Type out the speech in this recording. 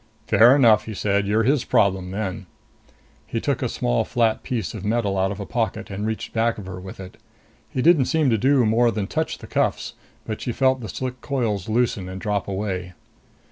"Fair enough," he said. "You're his problem then." He took a small flat piece of metal out of a pocket and reached back of her with it. He didn't seem to do more than touch the cuffs, but she felt the slick coils loosen and drop away.